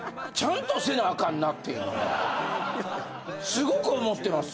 すごく思ってます。